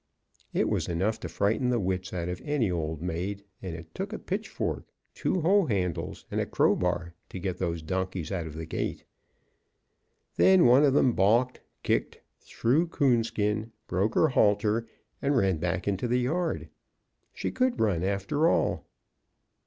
It was enough to frighten the wits out of any old maid, and it took a pitchfork, two hoe handles and a crowbar to get those donkeys out of the gate. Then one of them balked, kicked, threw Coonskin, broke her halter, and ran back into the yard. She could run after all.